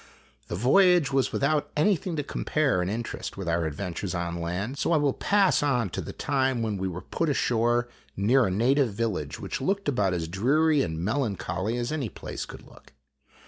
The voyage was without anything to compare in interest with our adventures on land, so I will pass on to the time when we were put ashore near a native village which looked about as dreary and melancholy as any place could look.